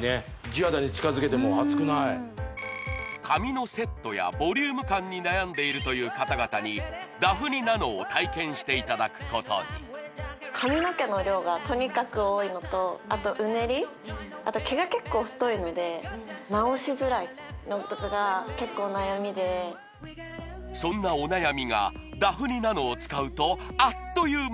地肌に近づけても熱くない髪のセットやボリューム感に悩んでいるという方々にダフニｎａｎｏを体験していただくことに髪の毛の量がとにかく多いのとあとうねりあと毛が結構太いので直しづらいことが結構悩みでそんなお悩みがダフニｎａｎｏを使うとあっという間！